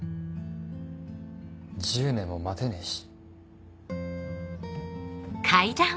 １０年も待てねえし。